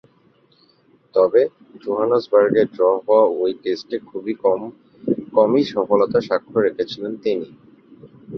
তবে, জোহেন্সবার্গে ড্র হওয়া ঐ টেস্টে খুব কমই সফলতার স্বাক্ষর রেখেছিলেন তিনি।